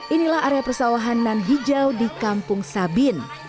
inilah area persawahan nan hijau di kampung sabin